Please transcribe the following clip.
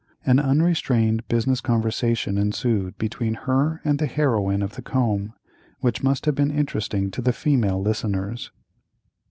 An unrestrained business conversation ensued between her and the heroine of the comb, which must have been interesting to the female listeners.